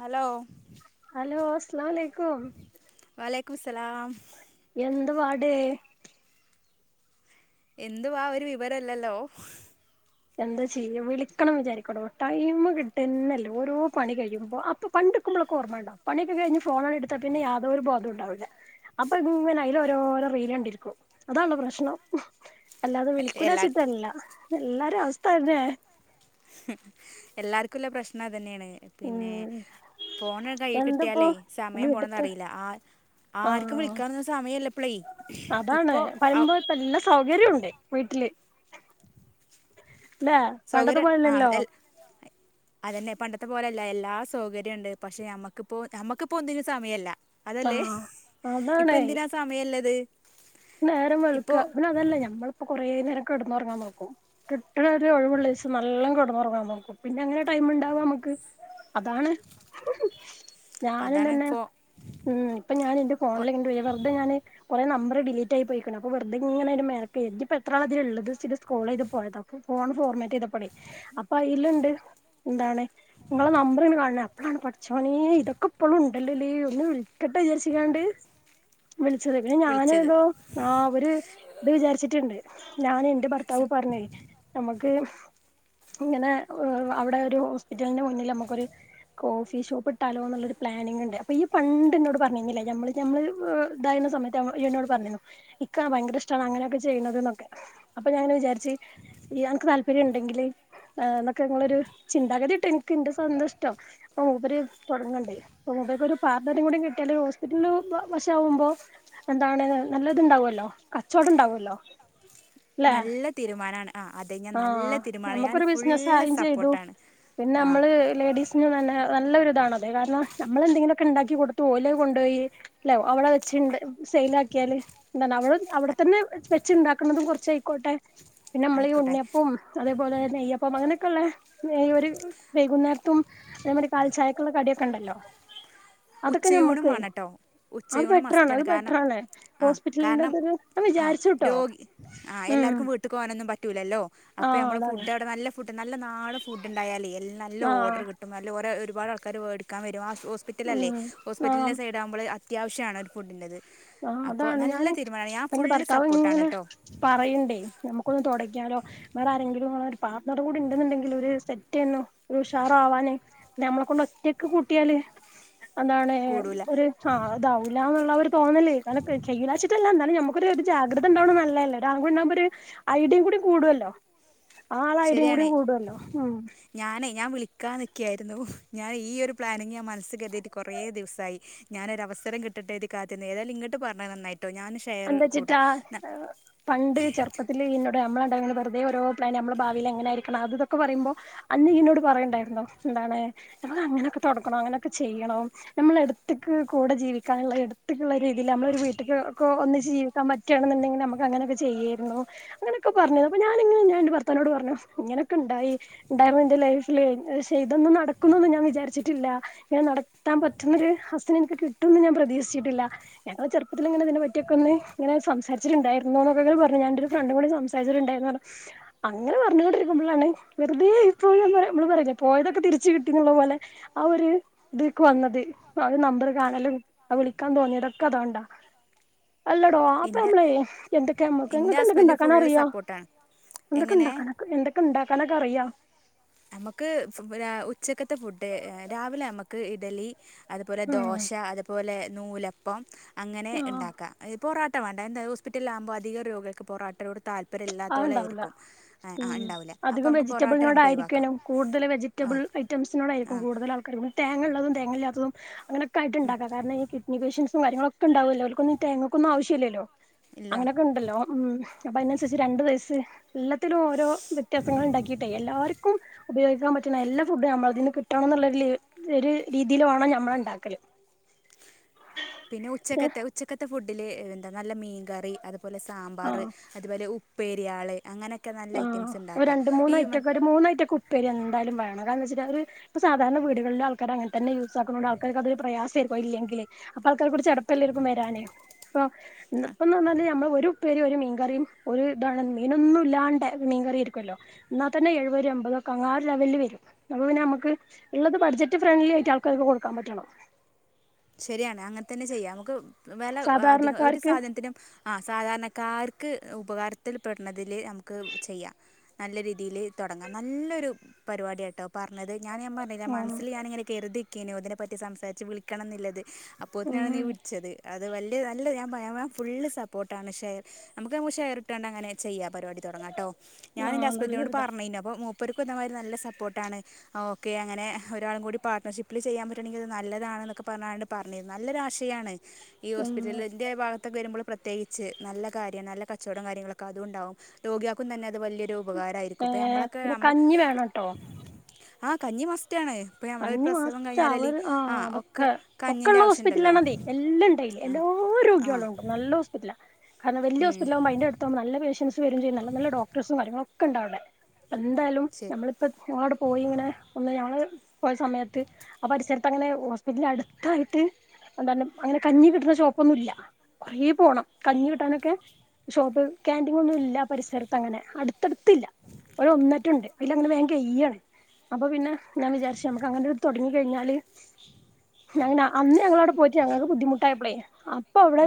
Hello hello അസ്സലാമു അലൈക്കും വലൈക്കുമുസ്സലാം സലാം ടെ എന്തുവാ ഒരു വിവരില്ലല്ലോ എന്താ ചെയ്ല് വിളിക്കണം വിചാരിക്കണു ടൈം കിട്ടുന്നില്ല ഓരോ പണി കഴിയുമ്പോ അപ്പൊ പണ്ടൊക്കെ നമ്മളൊക്കെ ഓർമ്മയുണ്ടോ പണിയൊക്കെ കഴിഞ്ഞ് ഫോണെങ്ങെടുത്താ പിന്നെ യാതൊരു ബോധം ഉണ്ടാവുല്ല അപ്പൊ ഇങ്ങനെ അതിലോരോരു റീല് കണ്ടിരിക്കും അതാണ് പ്രശ്നം അല്ലാതെ വിൽക്കുലാ എല്ലാ വെച്ചിട്ടല്ല എല്ലാ അവസ്ഥ അതെന്നെ എല്ലാർക്കുള്ള പ്രശ്നം അതെന്നെയാണ് പിന്നെ ഉം ഫോണിങ്ങ കൈയിൽ എന്തപ്പോ കിട്ടിയാലേ സമയം വീട്ടത്തെ പോണതറിയില്ല ആ ആർക്കും ആഹ് വിളിക്കാനൊന്നും സമയില്ലിപ്പളേ അതാണ് ഇപ്പൊ പറയുമ്പോ ഇപ്പ എല്ലാ സൗകര്യവും ഉണ്ട് വീട്ടില് ല്ലേ പണ്ടത്തെ സൗകര്യം ആഹ പോലല്ലല്ലോ എൽ അല്ലല്ലേ പണ്ട പണ്ടത്തെ പോലല്ല എല്ലാ സൗകര്യം ഉണ്ട് പക്ഷെ നമ്മുക്കിപ്പോ നമുക്കിപ്പോ ഒന്നിനും സമയമില്ല അതല്ലേ ആഹ് ഇപ്പൊ അതാണ് എന്തിനാ സമയില്ലത് നേരം വെളുക്ക പിന്നെ അതല്ല ഞമ്മളിപ്പോ കൊറേ നേരം കിടന്നുറങ്ങാൻ നോക്കും കിട്ടണ ഒരു ഒഴിവുള്ളദിവസം നല്ലോം കിടന്നുറങ്ങാൻ നോക്കും പിന്നെ അങ്ങനെ ടൈം ഇണ്ടാവാ നമക്ക് അതാണ് ഞാനും അതാണ് തന്നെ ഇപ്പോ ഉം ഇപ്പൊ ഞാൻ എന്റെ ഫോണില് വെറുതെ ഞാന് കൊറെ നമ്പർ ഡിലീറ്റ് ഡിലീറ്റായി പോയിക്കണു അപ്പൊ വെറുതെ ഇങ്ങനെന്റെ മേലെ കേറ്റിയിപ്പോ എത്രാളാതിലുള്ളതാ വെച്ചിട്ട് സ്കോർള് ചെയ്ത് പോയതാ അപ്പൊ ഫോൺ ഫോർമേറ്റ് ചെയ്തപ്പളെ അപ്പൊ അതിലുണ്ട് എന്താണ് നിങ്ങളെ നമ്പർ കാണുന്ന് അപ്പോഴാണ് പടച്ചോനെ ഇതൊക്കെ ഇപ്പോളും ഇണ്ടല്ലല് ഒന്ന് വിളിക്കട്ടെ വിചാരിച്ചങ്ങാണ്ട് വിളിച്ചത് പിന്നെ ഞാനു വിളിച്ചത് യോ ആ ഒര് ഇത് വിചാരിച്ചിട്ടുണ്ട് ഞാന് ന്റെ ഭർത്താവ് പറഞ്ഞേ നമ്മക്ക് ഇങ്ങനെ അവിടെ ഒരു ഹോസ്പിറ്റലിന്റെ മുന്നിൽ നമുക്കൊരു കോഫി ഷോപ്പ് ഇട്ടാലോ ന്നുള്ളൊരു പ്ലാനിങ്ണ്ട് അപ്പൊ ഇയ്യ് പണ്ട് ന്നോട് പറഞ്ഞിനിലെ ഞമ്മള് ഞമ്മള് ഇതായിണ സമയത്ത് ഇയ്യ് ന്നോട് പറഞ്ഞിനു ഇക്ക് ഭയങ്കര ഇഷ്ടാണ് അങ്ങനെയൊക്കെ ചെയ്യണത് ന്നൊക്കെ അപ്പൊ ഞാനിങ്ങന വിചാരിച്ച് അനക്ക് താല്പര്യം ഉണ്ടെങ്കില് ആ ന്നൊക്കെ ഞങ്ങളൊരു ചിന്താഗതിട്ടൊ ഇൻക്ക് ന്റെ സ്വന്തം ഇഷ്ടം അപ്പൊ മൂപ്പര് തൊടങ്ങ്ണ്ട് അപ്പം മൂപ്പർക്ക് ഒരു പാർട്ണറെ കൂടി കിട്ടിയാല് ഹോസ്പിറ്റൽ വാഷാകുമ്പോ എന്താണ് നല്ലതുണ്ടാവല്ലോ കച്ചവടം ഉണ്ടാവല്ലോ നല്ല തീരുമാനാണ് ആ അതെ ഞാൻ നല്ല ആഹ് തീരുമാനാണ് ഞാന് നമുക്കൊരു ബിസിനസ് ഫുള്ള് ആയും ചെയ്തു സപ്പോർട്ടാണ് ആ നല്ലൊരു ഇതാണത് കാരണം നമ്മളെന്തെങ്കിലോക്കെ ഇണ്ടാക്കി കൊടുത്ത ഓലത് കൊണ്ടോയി ല്ലോ അവിടെ വെച്ച് സൈലാ ക്കിയാല് എന്ത അവ അവിടെ തന്നെ വെച് ഇണ്ടാക്കുന്നതും കുറച്ചയ്ക്കോട്ടെ പിന്നെ നമ്മള ഈ ആയിക്കോട്ടെ ഉണ്ണിയപ്പം അതേപോലെ നെയ്യപ്പം അങ്ങനെ കള്ളെ ഈ ഒരു വൈകുന്നേരത്തും അതേമതി കാൽചായക്കുള്ള കടിയൊക്കെ ഉണ്ടല്ലോ അതൊക്കെ ഉച്ചയൂണും നമ്മുക്ക് വേണട്ടോ അത് ഉച്ചയൂണ് ബെറ്ററാണ് മസ്റ്റാണ് അത് കാരണം ബെറ്ററാണ് ആ ഹോസ്പിറ്റലിന്റെ കാരണം ഇതൊരു ഞാൻ ആ വിചാരിച്ചുട്ടോ രോഗി ആ ഉം എല്ലാർക്കും വീട്ട് പോകാനൊന്നും പറ്റ് ലല്ലോ അപ്പൊ ആഹ് നമ്മള് അതാണ് ഫുഡ് അവിടെ നല്ല ഫുഡ് നല്ല നാടൻ ഫുഡ് ഉണ്ടായാലെ നല്ല ഓർഡർ ആഹ് കിട്ടും നല്ല ഒര ഒരു ഒരുപാട് ആൾക്കാര് വേടിക്കാൻ വെരും ആ ലല്ലേ ഉം ഹോസ്പിറ്റലിന്റെ സൈഡ ആകുമ്പോള് അ അത്യാവശ്യാണ് ഒരു ഫുഡിന്റത് ആ അതാണ് ഞാന് എന്റെ ഫുള്ള് ഭർത്താവ് സപ്പോർട്ടാണ് ഇങ്ങനെ കേട്ടോ പറയണ്ട് നമ്മുക്കൊന്ന് തൊടങ്ങാലോ വേറെ ആരെങ്കിലും ഒന്ന് പാർട്ണറും കൂടി ഉണ്ടെന്നുണ്ടെങ്കിൽ ഒരു സ്റ്റെർന്നു ഉഷാറ ആവാന് ഞമ്മളെ കൊണ്ട് ഒറ്റയക്ക് കൂട്ടിയാല് എന്താണ് കൂടൂല ഒരു ആ അതാഊല എന്നുള്ളരൂ തോന്നല് അല്ല കെ ചെയ്യൂലവെച്ചിട്ടല്ല എന്നാലും നമ്മക്കൊരു ഒരു ജാഗ്രത ഉണ്ടാവണോ നല്ലേല്ലെ ഒരാൾക് ഉണ്ടാവുമ്പോ ഒരു ഐഡിയയും കൂടി കൂടുല്ലോ ആ ആളെ ഐഡിയ കൂടി ശരിയാണ് കൂടൂല്ലോ ഉം ക്കാൻനിക്കായിരുന്നു ഞാൻ ഈ ഒരു പ്ലാനിങ് ഞാൻ മനസ്സിൽ കരുതിട്ട് കൊറേ ദിവസായി ഞാനൊരവസരം കിട്ടട്ടെര്തി കാത്തിരുന്നു ഏതായാലും ഇങ്ങോട്ട് പറഞ്ഞത് നന്നായി എന്ത് വെച്ചിട്ടാ പണ്ട് ചെറുപ്പത്തില് എന്നോട് നമ്മൾ രണ്ടാളോടും വെറു തെ ഓരോ നമ്മൾ ഭാവിയി എങ്ങനായിരിക്കണം അത് ഒക്കെ പറയുമ്പോ അന്ന് ഇയ്യെന്നോട് പറയണ്ടായിരുന്നു എന്താണ് നമ്മൾ അങ്ങനെക്കെ തുടക്കണം അങ്ങനെയൊക്കെ ചെയ്യണം നമ്മൾ എടുത്തേക്ക് കൂടെ ജീവിക്കാനുള്ള എടുത്തക്കുള്ള രീതിയിൽ നമ്മളരു വീട്ടക്ക് കോ ഒന്നിച്ചു ജീവിക്കാൻ പറ്റുണെന്നുണ്ടെങ്കിൽ നമുക്ക് അങ്ങനെയൊക്കെ ചെയ്യായിരുന്നു അങ്ങനെയൊക്കെ പറഞ്ഞിരുന്നു അപ്പൊ ഞാനിനെന്റെ ഭർത്താനോട് പറഞ്ഞു ഇങ്ങനൊക്കെ ഉണ്ടായി ഉണ്ടായിരുന്നു എന്റെ ലൈഫില് ക്ഷെ ഇതൊന്നും നടക്കുന്നൊന്നും ഞാൻ വിചരിച്ചിട്ടില്ല ഞൻ നടത്താൻ പറ്റുന്ന ഒരു ഹസിനെ എനിക്ക് കിട്ടുംന്ന് ഞാൻ പ്രതീക്ഷിച്ചിട്ടില്ല ഞങ്ങൾ ചെറുപ്പത്തി ൽ ഇങ്ങനെ ഇതിനെ പറ്റി റ്റിഒക്കെ ഒന്ന് ഇങ്ങനെ സംസാരിചിണ്ടായിരുന്നു എന്നൊക്കെ അങ്ങനെ പറഞ്ഞു ഞന്റെ ഒരു ഫ്രണ്ടും കൂടി സംസാരിച്ചിട്ടുണ്ടായിന്ന് പറഞ്ഞു അങ്ങനെ പറഞ്ഞുകൊണ്ടിരിക്കുമ്പോഴാണ് വെറുതെ ഇപ്പൊ ഞങൾ നമ്മള് പറയുലെ പോയതൊക്കെ തിരിച്ചു കിട്ടിയുള്ള പോലെ ആ ഒരു ഇതിക്ക് വന്നത് ആദ്യം നമ്പർ കാണലും ആ വിളിക്കാൻ തോന്നിയതൊക്കെ അതോണ്ടാ അല്ലടോ അപ്പം എൻ്റെ നമ്മളേ എന്തൊക്കെമ്മക്ക് എൻ്റെ ഇങ്ങക്ക് എന്തൊക്കെ ഹസ്ബൻഡ് ഫുള്ള് ഇണ്ടാക്കനറിയാ സപ്പോർട്ടാണ് എങ്ങനെ എന്തൊക്കെണ്ടാക്കാന എന്തൊക്കെ ഇണ്ടാക്കാനൊക്കെ അറിയാ നമുക്ക് ഉച്ചക്കത്തെ ഫുഡ് രാവിലെ നമുക്ക് ഇഡലി അതുപോലെ ഉം ദോശ അതുപോലെ നൂലപ്പം അങ്ങനെ ആഹ് ഇണ്ടാക്കാം ഇതിപ്പോറോ വേണ്ട എ ഹോസ്പിറ്റലിൽലാകുമ്പോ അധിക രോഗികക്ക് പോറട്ടോടുത്ത് താല്പര്യംയില്ലാത്ത അത് ഓൽ ഇണ്ടാവൂല ആയിരിക്കും ഉം ഉണ്ടാവില്ലേ അപ്പോ അധികം നമുക്ക് പൊറോട്ട നമുക്ക് ഒഴിവാക്കും വെജിറ്റബിളിനോടായിരിക്കണം കൂടുതൽ വെജിറ്റബിൾ ഐറ്റംസിനോട് ആരിക്കും ആ കൂടുതൽ ആൾക്കാർ തേങ്ങ ഉള്ളതും തേങ്ങയില്ലാത്തതും അങ്ങനെ അങ്ങനെയൊക്കെയായിട്ട് ഇണ്ടാക്കാൻ കാാരണം ഈ കിന്ഡനി പെഷൻഡ്‌സ് കാര്യങ്ങളൊക്കെണ്ടാവില്ലോ അവർക്കന്നും തേങ്ങയ്ക്കയൊന്നും ആവശ്യയില്ലല്ലോ ഇല്ല അങ്ങനെയൊക്കെ ഉണ്ടല്ലോ ഒ ഉം അപ്പൊ അയിന് അനുസരിച്ചു രണ്ടു വയസ്സ് എല്ലാത്തിലും ഓരോ വ്യത്യാസങ്ങൾ ഉണ്ടാക്കിട്ടെ എല്ലാവർക്കും ഉപയോഗിക്കാൻ പറ്റുന്ന എല്ലാ ഫുഡും നമ്മളതിൽന്ന് കിട്ടണം എന്നുള്ള ഒരു രീതിയില് വേണം നമ്മൾ ഉണ്ടാക്കല് പിന്നെ ഉച്ചക്കത്തെ ഉച്ചക്കത്തെ ഫുഡ് ഇതിൽ നല്ല മീൻകറി അതുപോലെ സാമ്പാർ ആ അതുപോലെ ഉപ്പ് ഉപ്പേരി അങ്ങനെയൊക്കെ നല്ല ആ ഐറ്റംസ് ഒരു ഉണ്ടാക്കുക രണ്ട് മൂന്നു ഈ മ ഐറ്റയൊക്കെ ഒരു മൂന്നായിറ്റയൊക്കെ ഉപ്പേരി എന്തായാലും വേണം കാര വെച്ചാൽ ഇ സാധാരണ വീടുകളിലെ ആൾക്കാർ അങ്ങെ തന്നെ യൂസാക്കണ്ട് ആൾക്കർക്ക് പ്രയാസയായിരിക്കും അതയില്ലേങ്കിൽ അപ്പോ ആൾക്കർക്ക് ചടപ്പ് എല്ലാർക്കും വരാന് ഒന്ന് വന്നാൽ ഒരു ഉപ്പേരിയ്യും ഒരു മീൻകറിയും ഒരു ഇതാണ് മീനൊന്നുയില്ലാണ്ട് മീൻ കറിയിരിക്കുമല്ലോ എന്നാ തന്നെ എഴുപത് എമ്പതൊക്കെ അങ്ങാറ് ലെവലിൽ വരും അപ്പ പിന്നെ നമുക്ക് ഉള്ളത് ബഡ്ജറ്റ് ഫ്രണ്ട്ലി ആയിട്ട് ആൾക്കാരൊക്കെ കൊടുക്കാൻ പറ്റണം ശരിയാണ് അങ്ങനെ തന്നെ ചെയ്യാം നമുക്ക് വില അധികം ഒരു സാധാരണക്കാർക്ക് സാധനത്തിനും ആ സാധാരണക്കാർക്ക്- ഉപകാരത്തിൽപ്പെടണതിൽ നമുക്ക് ചെയ്യാം നല്ല രീതിയിൽ തുടങ്ങാം നല്ലൊരു പരിപാടിയാട്ടോ പറഞ്ഞത് ഞാൻ പറഞ്ഞില്ലെ ഉം മനസിൽ ഞാൻ കരുതിയിരിക്കിരുന്നു ഇതിനെ പറ്റി ഇതിനെപ്പറ്റി സംസാരിച്ച് വിളിക്കണം എന്നള്ളതിൽ അപ്പോൊത്തന്നെയാണ് നീ ഉം വിളിച്ചത് അത് വലിയ നല്ല ഞാൻ ഫുള് സപ്പോർട്ടാണ് ഷെയർ നമുക്ക് ഷെയർ ഇട്ടണ്ട് അങ്ങനെ ചെയ്യാം പരിപാടി തുടങ്ങട്ടൊ ഞാൻ എന്റെ ആഹ് ഹസ്ബൻഡ്നോട്‌ നല്ലൊരിതാ പറഞ്ഞികഴിഞ്ഞി അപ്പൊ മൂപ്പര് ഓർക്കും എന്നാമാതിരി നല്ല സപ്പോർട്ടാണ് ഓക്കെങ്ങനെ ഒരാൾ കൂടി പാർട്ണർഷിപ്പിൽ ചെയ്യൻപറ്റുയെങ്കിൽ അത്‌ നല്ലതാണെന്നൊക്കെ പറഞ്ഞാണ്ട് പറഞ്ഞത് നല്ലൊരുയാശയമാണ് ഈ ഉം ഹോസ്പിറ്റലിന്റെ ഭാഗത്തൊക്കെ വരുമ്പോൾ പ്രത്യേകിച്ച് നല്ല കാര്യം നല്ല കച്ചവടം കാര്യങ്ങളൊക്കെ അതുയിണ്ടാവും രോഗികൾക്കും തന്നെ അത് വലിയൊരു ഉപകാരമായിരിക്കും ഇപ്പം ഏഹ് നമ്മളൊക്കെ പിന്നെ നമ്മൾ കഞ്ഞി വേണംട്ടോ ആ കഞ്ഞി മസ്റ്റ് ആണ്. മസ്സ്റ്റാണ്, ഇപ്പ ഞമ്മൾ ഒരു അഞ്ചു പ്രസവം മാസത്തെ കഴിഞ്ഞാലല്ല ആ ഒക്കെ ഒക്കെയുള്ള ആവശ്യമുണ്ടല്ലോ ഹോസ്പിറ്റലാനന്നേ, എല്ലാണ്ടായി, എല്ലാ ആ ആ രോഗികളും ഉണ്ട്. നല്ല ഹോസ്പിറ്റല. കാര വലിയ ഹോസ്പിറ്റല് ആവുമ്പ അതിന്റെ അടുത്ത നല്ല പേഷൻസ് നല്ല നല്ല ഡോക്ട്ടേഴ്‌സും കാര്യങ്ങളും, കണ്ടാവടെെ ഇപ്പ എന്തായാലും ശരി ഞമ്മളിപ്പ ഞങ്ങളടെ പോയി ഇങ്ങനെ ഒന്ന് ഞങ്ങള്, ഒരു സമയത്ത് ആ പരിസരത്ത് അങ്ങനെ ഹോസ്പിറ്റല അടുത്തായിട്ട്, എന്ത അങ്ങനെ കഞ്ഞി കിട്ടുന്ന ഷോപ്പ് ഒന്നും ഇല്ല. കൊറ പോകണം. കഞ്ഞി കിട്ടാനൊക്കെ ഷോപ്പ് കാന്റീൻ ഒന്നും ഇല്ല പരിസരത്ത് അങ്ങനെ, അടുത്തടുത്ത്ല്ല, ഒ ഒന്നറ്റുണ്ട് അതില അങ്ങനെ ഭേങ്കയ്യാണ് അപ്പൊ പിന്നെ ഞാൻ വിചാരിച്ച മക്ക് അങ്ങന തുടങ്ങി കഴിഞ്ഞാല് ഞങ്ങ അന്ന് ഞങ്ങളവിടെ പോയിട്ട് ഞങ്ങക്ക് ബുദ്ധിമുട്ടായപ്പോളേ, അപ്പൊ അവിടെ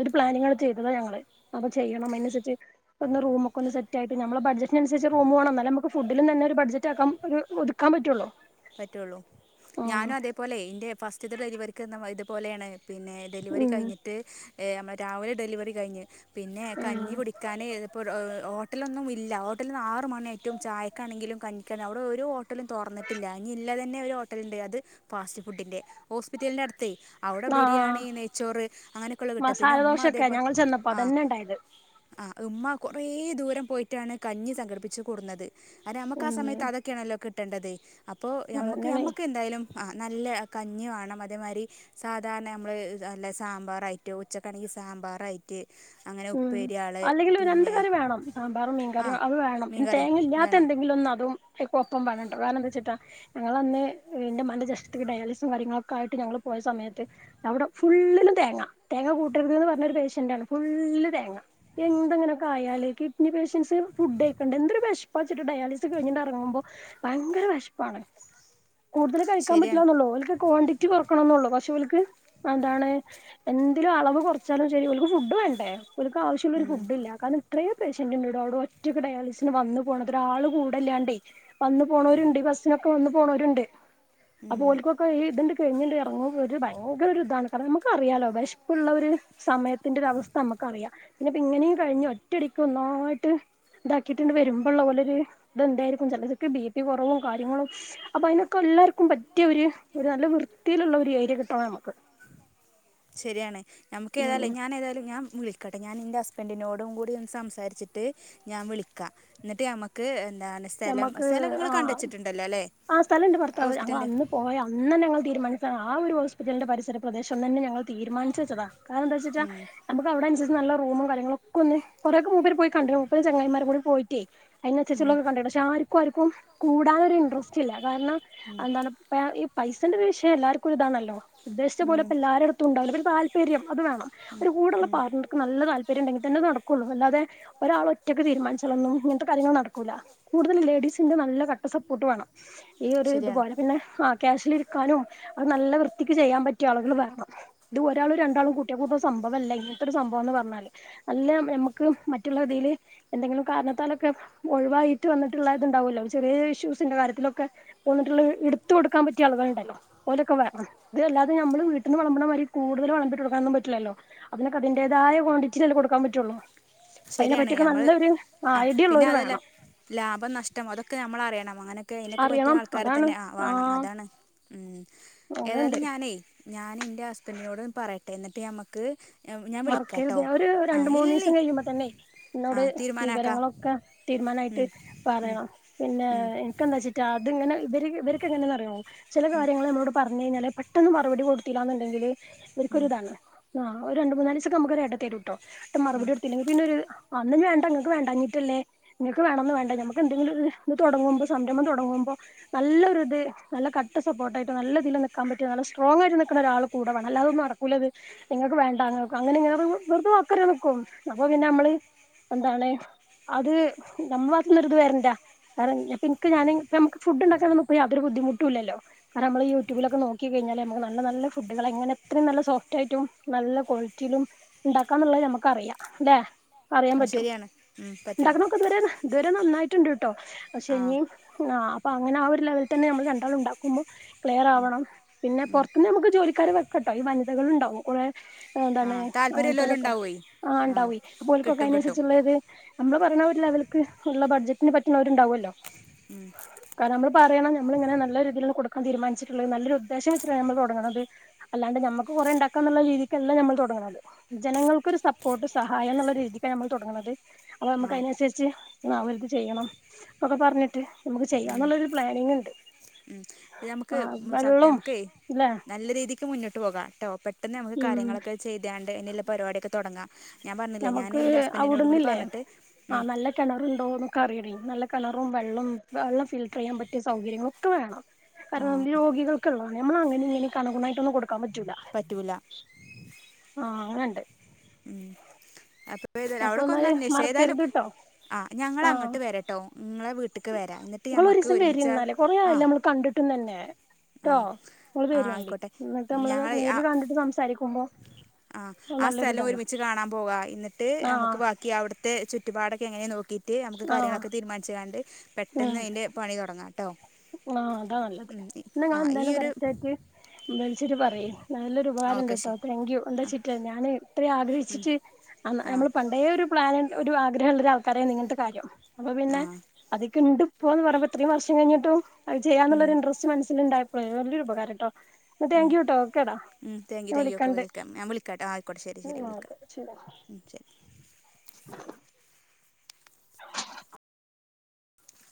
ഒരു പ്ലാനിങ്ങ് ചെയ്തതാ ഞങ്ങള്. അപ്പൊ ചെയ്യണം അതിനുസരിച്ച് ഒന്ന് റൂമ ഒക്കെ ഒന്ന് സെറ്റ് ആയിട്ട് നമ്മള ബഡ്ജറ്റിനനുസരിച്ച് റൂമ് വേണം, നല്ലേ നമുക്ക് ഫുഡിലും തന്നെ ഒരു ബഡ്ജറ്റ് ആക്കാം ഒതുക്കാൻ പറ്റുള്ളോ. പറ്റുള്ളൂ, ഞാനും അതേപോലെ ഇന്റെ ഫസ്റ്റത്തെ ഡെലിവറിക് പോലെയാണ്. പിന്നെ ഡെലിവറി ഉം കഴിഞ്ഞിട്ട് ഏ നമ്മൾ രാവിലെ ഡെലിവറി കഴിഞ്ഞ് പിന്നെ ഉം കഞ്ഞി കുടിക്കാനെ ഇതിപ്പോൾ ഹോ ഹോട്ടലൊന്നും ഇല്ല. ഹോട്ടലിൽന്ന് ആറ് മണി യായറ്റും ചായക്കാണെങ്കിലും കഞ്ഞിക്ക്‌ അവിടെ ഒരു ഹോട്ടലും തുറന്നിട്ട് ട്ടില്ല. ഇള്ളതന്നെ ഒരു ഹോട്ടല ഉണ്ട് അത് ഫസ്റ്റ് ഫുഡിന്റെ, ഹോസ്പിറ്റലിന്റെ അടുത്ത് തേ, അവിടെ ആഹ് ബിരിയാണി നെയ്ച്ചോറ് അങ്ങനെയൊക്കെയ ഉള്ള കിട്ടുക. പിന്നെ മസാല ഉമ്മ ദോശൊക്കെ അതേപോലെ ഞങ്ങൾ ചെന്നപ്പോ ആ അതന്നെ ഉണ്ടായത് ആ ഉമ്മ കുറേ ദൂരം പോയിട്ടാണ് കഞ്ഞി സംഘടിപ്പിച്ച് കൊണ്ടുന്നത്. അ നമുക്ക് ആ ഉം സമയത്ത് അതൊക്കെയണല്ലോ കിട്ട കിട്ടേണ്ടത്. അപ്പൊ മ്മക്ക് അതന്നെയാണ് മ്മക്ക് എന്തായാലും ആ നല്ല കഞ്ഞി വേണം, അതേമാതിരി സാധാരണ നമ്മൾ നല്ല സാമ്പാറായിട്ട് ഉച്ചകാണങ്കി സാമ്പാറായിട്ട് അങ്ങനെ ഉം ഉപ്പേരിയാൾ അല്ലെങ്കിൽ രണ്ട് പിന്നെ കറി വേണം. സാമ്പാറും ആ മീൻകറിയും അത് വേണം. മീൻ പിന്നെ കറി തേങ്ങ ഇല്ലാത്ത വേണം എന്തെങ്കിലും ഒന്നും അതും ഒപ്പം വേണ്ടണ്ട് വേറെന്തു വെച്ചിട്ട, ഞങ്ങങ്ങളന്ന് എന്റെ ഉമ്മന് ജസ്റ്റ്‌ ഡയാലിസും കാര്യങ്ങളൊക്കെ ആയിട്ട് ഞങ്ങൾ പോയ സമയത്ത് അവിടെ ഫുള്ളിലും തേങ്ങ തേങ്ങ കൂട്ടരുത് എന്ന് പറഞ്ഞൊ പേഷ്യൻറ് ആണ് ഫു നല്ല തേങ്ങ എന്തെങ്ങനെയൊക്കെ ആയാലല് കിഡ്നി പേഷ്യൻസ് ഫുഡ്ക്കണ്ട് എന്തൊരു വിഷപ്പാച്ചിട്ട് ഡയാലിസിസ് കഴിഞ്ഞിട്ട ഇറങ്ങുമ്പോ ഭയങ്കര വിശപ്പാണ്. കൂടുതൽ കഴിക്കാൻ ശരിയാണ് പറ്റില്ലാന്നോള്ളൂ ക്വാണ്ടിറ്റി കുറക്കണന്നള്ളൂ. പക്ഷേ ഇവള്ക്ക് എന്താണ് എന്തെലും അളവ് കുറച്ചാലും ശരിക്ക് ഫുഡ് വേണ്ട. ആ ഇവര്ക്ക് ആവശ്യള്ളൊരു ഉം ഫുഡ് ഇല്ല കാരണം അത്രയ പേഷ്യന്റ് ഉണ്ട്ടോ, അവിടെ ഒറ്റൊക്കെ ഡയാലിസിന് വന്നു പോകണ ഒരാൾള് കൂടല്ലാണ്ടേ, വന്നു പോണവരുണ്ട് ബസ്സൊക്കെ അ വന്ന് പോണവരുണ്ട് ഉം അപ്പൊ ോൾക്കോക്ക ദണ്ട് കഴിഞ്ഞിട്ട് ഇറങ്ങുമ്പ ഒരു ഭയങ്കര ഒരു ഇതാണ് കാരണം നമുക്ക അറിയാാലോ വിശപ്പുള്ള ഒരു സമയത്തിന്റെ ഒരു അവസ്ഥ നമുക്കറിയാം പിന്നെ ഇപ്പ ഇങ്ങനെയും കഴിഞ്ഞഞ് ഒറ്റടിക്ക് ഒന്നായിട്ട് ഇതാക്കിയിട്ടിണ്ട് വരുമ്പോൾള്ള പോലെ ഒരു ഇതന്തായിരിക്കും ചിലതൊക്കെ ബി പി കുറവും കാര്യങ്ങളും അപ്പൊ അതിനൊക്കെ എല്ലാവർക്കും പറ്റിയ ഒരു നല്ല വൃത്തിയിലുള്ള ഒരു ഏരിയ കിട്ടണം നമുക്ക് ശരിയാണ് നമ്മക്ക് ഉം ഏതാല്ലേ ഞാൻ ഏതാല്ലേ വിൽക്കട്ടേ ഞാൻ എൻ്റെ ഹസ്ബൻ്റിനോടും കൂടി ഒന്ന് സംസാരിച്ചിട്ട് ഞാൻ വിളിക്കാ എന്നിട്ട് ഞമ്മക്ക് നമ്മക്ക് ആ അല്ലേ ആ സ്ഥലം ഉണ്ട് ഭർത്താവ് ഞങ്ങള് ഹോസ്പിറ്റലിൻ്റെ അന്ന് പോയി അന്ന് തന്നെ തീരുമാനി ആ ഒരു ഹോസ്പിറ്റലിൻ്റെ പരിസര പ്രദേശം തന്നെ ഞങ്ങൾ തീരുമാനിച്ചു വച്ചതാ കാരണം എന്താന്നു വച്ചാ ഉം, നമ്മക്ക് അവിടെ അനുസ നല്ല റൂമും കാര്യങ്ങളും ഒക്കെ ഒന്ന് കുറേ ഒക്കെ മൂപ്പര് പോയി കണ്ട് മൂപ്പരും ചങ്ങായിമാരും കൂടെ പോയിട്ടെ ഉം, അതിനനുസരിച്ചുള്ളത് കണ്ടേനേർസ ആർക്കും കൂടാനൊരു ഇൻട്രസ്‌റ്റ് ഇല്ല കാരണം എന്താണ് ഇപ്പഴാണ് ഇ പൈസ ഉണ്ട് പക്ഷേ എല്ലാവർക്കും ഒരു ഇതാണല്ലോ ഉദ്ദേശിച്ച പോലെ ഉം. ഇപ്പ എല്ലാരടുത്തും ഉണ്ടാവില്ല. പിന്നെ താൽപര്യം അത് വേണം. അവർടെ കൂടുള്ള ആളോൾക്കും നല്ല താൽപ്പര്യം ഉണ്ടെങ്കിൽ തന്നെ നടക്കും കുഴപ്പമില്ലാതെ ഒരാള് ഒറ്റക്ക് തീരുമാനിച്ചാലൊന്നും ഇങ്ങനത്തെ കാര്യങ്ങള് നടക്കൂല്ല കൂടുതൽ ലേഡീസിൻ്റെ നല്ല കട്ട സപ്പോർട്ട് വേണം ഈ ഒരു ഇതു ശരിയാണ് പോലെ പിന്നെ ക്യാഷിലിരിക്കാനും അത് നല്ല വൃത്തിക്ക് ചെയ്യാൻ പറ്റിയ ആളുകൾ വേണം. ഇത് ഒരാളും രണ്ടാളും കൂട്ടിയാ കൂടുന്ന സംഭവല്ല ഇങ്ങനത്തെ ഒരു സംഭവംന്ന് പറഞ്ഞാല്. അല്ല ഞമ്മക്ക് മറ്റുള്ള ഇതില് എന്തേലും കാരണത്താൽ ഒക്കെ ഒഴിവായി വന്നിട്ടുള്ള ഇതിണ്ടാവുമല്ലോ ചെറിയ ചെറിയ ഇഷ്യൂസിൻ്റെ കാര്യത്തിലൊക്കെ പോന്നിട്ടുള്ള എടുത്തു കൊടുക്കാൻ പറ്റിയ ആളുകൾ ഉണ്ടല്ലോ ഓരൊക്കെ വേണം. ഇതിൽ അല്ലാതെ നമ്മള് വീട്ടിൽ വിളമ്പണമാതിരി കൂടുതല് വിളമ്പിയിട്ട് കൊടുക്കാൻ ഒന്നും പറ്റില്ലല്ലോ അതിനൊക്കെ അതിൻ്റേതായ കോൺണ്ടിറ്റിയിലല്ലേ കൊടുക്കാൻ പറ്റുള്ളു ശരിയാണ് അയ്നെപ്പറ്റി ഒക്കെ നമ്മൾ നല്ലൊരു ആ ഐഡിയ പിന്നെ ഇള്ളോര് അതല്ല വേണം ലാഭം നഷ്‌ടം അതൊക്കെ നമ്മളറിയണം അങ്ങനൊക്കെ അതിനൊക്കെ പറ്റിയ അറിയണം ആൾക്കാരെ അതാണ് തന്നെ ആ വേണം അതാണ് ഉം ഏതായാലും അങ്ങനെണ്ട് ഞാനെ ഞാന് ഇൻ്റെ ഹസ്ബൻ്റിനോട് ഒന്ന് പറയട്ടെ ഇന്നിട്ട് ഞമ്മക്ക് മറക്കരുത് ഒരു രണ്ട് മൂന്ന് ദിവസം കഴിയുമ്പോ തന്നെ എന്നോട് ആഹ് തീരുമാനാക്കാം വിവരങ്ങളൊക്കെ തീരുമാനായിട്ട് ഉം ഉം പറയണം. പിന്നെ ഉം എനിക്ക് എന്താച്ചിട്ടാ അതിങ് ഇവര് ഇവർക്ക് എങ്ങനാന്ന് അറിയാവോ ചില കാര്യങ്ങള് നമ്മളോട് പരന് കഴിഞ്ഞാല് പെട്ടെന്ന് മറുപടി കൊടുത്തില്ലാന്ന് ഇണ്ടെങ്കില് ഇവര്ക്ക് ഉം ഒരു ഇതാണ് ആ ഒ രണ്ട് മൂന്നാല് ദിവസൊക്കെ നമ്മക്കൊരു ഇട തരുട്ടോ ട്ടും ഉം മറുപടി കൊടുത്തില്ലെങ്കി പിന്നൊരു അന്ന് ന്ന്ഞ്ഞ് വേണ്ട ഇങ്ങക്ക് വേണ്ടാഞ്ഞിട്ടല്ലേ ഇങ്ങക്ക് വേണോന്നോ വേണ്ട നമ്മക്ക് എന്തെങ്കിലും ഒരു ഇത് തുടങ്ങുമ്പോ സംരഭം തുടങ്ങുമ്പോ നല്ലൊരു ഇത് നല്ല കട്ട സപ്പോർട്ടായിട്ട് നല്ല ഇതില് നിൽക്കാൻ പറ്റിയ നല്ല സ്ട്രോങ്ങ് ആയിട്ട് നിൽക്കണൊരാള് കൂടെ വേണം അല്ലാതെ ഒന്നും നടക്കൂല്ല ഇത് നിങ്ങൾക്ക് വേ ണ്ടാങ്ങക് അങ്ങനെഞാറിമ്പോ വെറുതെ വാക്ക് തരാൻ നിക്കും. അപ്പോ പിന്നെ അമ്മള് എന്താണ് അത് നമ്മളെ ഭാഗത്ത് നിന്നൊരു ഇത് വരണ്ട വേറെ ഇപ്പ ൻക് ഞാനി ഇപ്പ അമ്മക്ക് ഫുഡ് ഇണ്ടാക്കാനൊന്നും ഇപ്പൊ യാതൊരു ബുദ്ധിമുട്ടും ഇല്ലല്ലൊ അത് നമ്മള് യൂട്യൂബിലൊക്കെ നോക്കി കഴിഞ്ഞാല് നമുക്ക് നല്ല നല്ല ഫുഡുകള് എങ്ങനെ എത്ര നല്ല സോഫ്‌റ്റായിട്ടും നല്ല കോളിറ്റിലും ഇണ്ടാക്കാന്ന്ള്ളെ നമ്മക്ക് അറിയാ ല്ലെ പറയാൻ അത് പറ്റും ശരിയാണ് ഉം പറ്റും ഉണ്ടാക്ക നക്ക ഇതുവരെ നന്നായിട്ടു പക്ഷേ നീ ആഹ് ന അപ്പ അങ്ങന ആ ഒരു ലെവലൽ തന്ന നമ്മള് രണ്ടളും ഉണ്ടാക്കുമ്പോ ക്ലിയർ ആവണം പിന്നെ പുറത്ത് നിന്ന് നമു ജോലിക്കാരെ വക്കാ കേട്ടോ ഈ വനിതകൾ ഉണ്ടാവും കുറേ എന്താണ് ആഹ് താല്പര്യല്ലോലും അങ്ങനത്തെവരൊക്കെ ഉണ്ടാവേ ആ ആഹ് ഉണ്ടാവയിപ്പോക്കൊക്കെ കിട്ടും കിട്ടും അനുസരിച്ചുള്ള ഇത് നമ്മള് പറയണാവില്ല അവൾക്ക് ഉള്ള ബഡ്ജറ്റന് പറ്റുന്നവരുണ്ടാവുമല്ലോ ഉം കാരണം നമ്മള് പറയണം നമ്മളിങ്ങനെ നല്ല രീതിയിൽ കൊടുക്ക തീരുമാനിച്ചിട്ടുള്ളത് നല്ലൊരുദ്ദേശം വെച്ചിട്ടാണ് നമ്മള് തുടങ്ങുന്നത് അല്ലണ്ട് നമക്ക് കുറെ ഉണ്ടാക്ക എന്നുള്ള രീതിക്ക് ല്ലാം നമ്മൾ തുടങ്ങുന്നത് ജനങ്ങൾക്കൊരു സപ്പോർട്ട് സഹായം എന്നുള്ള രീതിക്കാണ് നമ്മൾ തുടങ്ങുന്നത് അപ്പൊ നമുക്ക് ആഹ് അതിനനുസരിച്ച് നത് ചെയ്യണംപ്പൊക്കെ പറഞ്ഞിട്ട് നമുക്ക് ചെയ്യാം എന്നുള്ളരു പ്ലാനിങ് ഉണ്ട് ഉ ഇത് നമുക്ക് ആ വെള്ളവും നമുക്ക് ഇല്ലേ നല്ല രീതിക്ക് മുന്നോട്ട് പോകാം കേട്ടോ പെ പെട്ടെ ന്ന് നമുക്ക് ഉം കാര്യങ്ങളൊക്കെ ചെയ്താണ്ട് പിന്നല്ല പരിപ ടിയൊ ക്കെ തുടങ്ങാം ഞാൻ പറഞ്ഞില്ലേ ഞാൻ ഞമ്മുക്ക് എൻ്റെ ഹസ്ബൻഡിനോടും കൂടി അവിടുന്നില്ലേ പറഞ്ഞിട്ട് ആ ഉം നല്ല കിണറുണ്ടോന്നൊക്കെ അറിയണേ നല്ല കളറും വെള്ളവും വെള്ളം ഫിൽട്ടർ ചെയ്യാൻ പറ്റിയ സൗകര്യങ്ങളൊക്കെ വേണം കാരണം ആഹ് രോഗികൾ നമ്മൾ അങ്ങനെങ്ങനെ കണുകുണ യിട്ടൊ കൊ കമജൂല പറ്റൂല ആ ഉ അപ്പ അപ്പൊ അവിടെക്ക ഒന്ന് എന്നാല് അന്വേഷ ഏതായാലും മറക്കരുത് ട്ടോ ആ് ഞങ്ങ ആഹ് അങ്ങോട്ട് വരട്ടോ നിങ്ങളെ വീട്ടക്ക് വരാ എന്നിട്ട് ഇങ്ങള് ഞമ്മക്ക് ഒരീസം വരി ഒരുമിച്ചാ ഇന്നാല് കൊറേ ആ ആയല്ലോ നമ്മള് കണ്ടിട്ടും തന്നെ ആ ട്ടോ ഇങ്ങള് ആ വരോണ്ടി ആയിക്കോട്ടെ എന്നിട്ട് നമ്മള് ഞങ്ങ നേരില് കണ്ടിട്ട് സംസാരിക്കുമ്പോ ആ ആ സ്ഥലം നല്ലൊരിതാണ് ഒരുമിച്ച് കാണാൻ പോക എന്നിട്ട് ട്ട് നമുക്ക് ആഹ് ബാക്കി അവിടുത്തെ ചുറ്റു പാടോ ക്കെങ്ങനെ നോ ക്കിട്ട് നമുക്ക് ആഹ് കാര്യങ്ങളൊക്കെ തീരുമാനിച്ച്ങ്ങാണ്ട് പെട്ടെന്ന് അയിന്റെ പണി തൊടങ്ങും. ആ അതാ നല്ലത് ഈ- ഇന്നാ ആ ഇങ്ങള് ഈ എന്തായാലും ഒരു കറക്റ്റ് ആയിട്ട് വെ ച്ചിറ്റ് പറയ്, നല്ലൊരു ഉപകാരം ഇണ്ട് ഓക്കെ ട്ടോ ശരി താങ്ക്യു എന്താച്ചിറ്റ് ഞാന് ഇത്രയും ആ ആഗ്രഹിച്ചിട്ട് അന്ന് ആ നമ്മള് പണ്ടേ ഒരു പ്ലാന് ഒരു ആഗ്രഹംള്ള ഒരു ആൾക്കാരെന്നിങ്ങന്ത്തെ കാര്യോ അപ്പൊ ആ പിന്നെ അതിക്ക്ണ്ട് പോന്ന് പറെമ്പം ഇത്രേം വർഷംകയിഞ്ഞിട്ടും അത് ചെയ്യന്നുള്ള ഒരു ഇൻറസ്റ്റ് മനസില്ണ്ടായ പ്ലെ വലിയൊരു ഉപകാരംട്ടോ ന്നാ ഉം താങ്ക് യു ട്ടോ ഓക്കെടാ ഉം താങ്ക് യൂ ഞാൻ താങ്ക് യൂ ഓക്കെ [unintelligible] വിളിക്കണ്ട് വിളിക്കാം ഞാൻ വിളിക്കാംട്ടെ ആയിക്കോട്ടെ ശരി ശരി ഓക്കെ ശരി വിളിക്കാം ശരി